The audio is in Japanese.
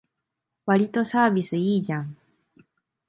わりとサービスいいじゃん